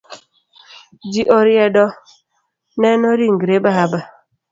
Ji oriedo neno ringre baba.